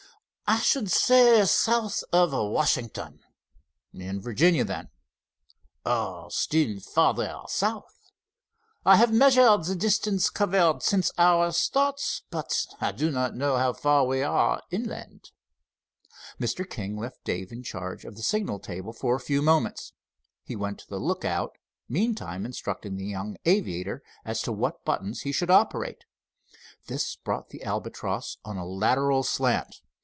"I should say, south of Washington." "In Virginia, then?" "Or still farther south. I have measured the distance covered since our start, but I do not know how far we are inland." Mr. King left Dave in charge of the signal table for a few moments. He went to the lookout, meantime instructing the young aviator as to what buttons he should operate. This brought the Albatross on a lateral slant.